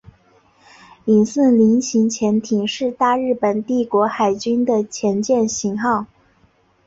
伊四零型潜艇是大日本帝国海军的潜舰型号。